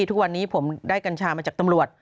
ทุกวันนี้ผมได้กัญชามาจากตำรวจ